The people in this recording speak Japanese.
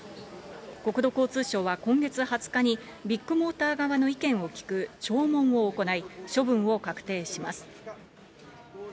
国土交通省は今月２０日に、ビッグモーター側の意見を聞く聴聞を行い、処分を確定します。